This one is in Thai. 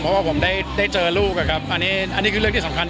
เพราะว่าผมได้เจอลูกอ่ะครับอันนี้เรื่องที่สำคัญที่สุดนะครับ